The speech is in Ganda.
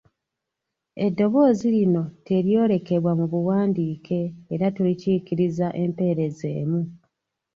Eddoboozi lino teryolekebwa mu buwandiike era tulikiikiriza empeerezi emu.